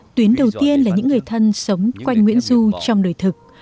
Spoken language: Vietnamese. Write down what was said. tuyến đầu tiên là những người thân sống quanh nguyễn du trong đời thực